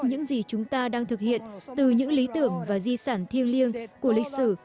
những gì chúng ta đang thực hiện từ những lý tưởng và di sản thiêng liêng của lịch sử